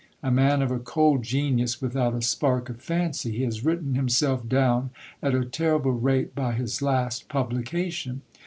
A man of a cold genius, without a spark of fancy ! he has written himself down at a terrible rate by his last publication.